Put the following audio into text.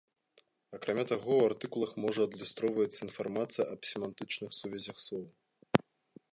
Акрамя таго, у артыкулах можа адлюстроўвацца інфармацыя аб семантычных сувязях слоў.